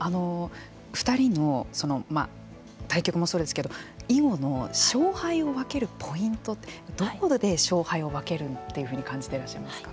２人の、対局もそうですけど囲碁の勝敗を分けるポイントってどこで勝敗を分けるというふうに感じていらっしゃいますか。